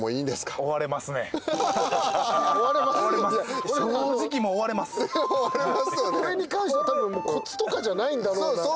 これに関してはたぶんコツとかじゃないんだろうなって。